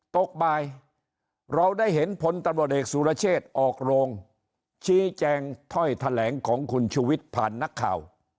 ตกบ่ายเราได้เห็นผลตำรวจเอกสุรเชษฐ์ออกโรงชี้แจงถ้อยแถลงของคุณชุวิตผ่านนักข่าว